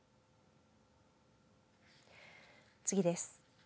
次です。